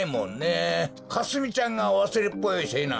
かすみちゃんがわすれっぽいせいなんだもんね。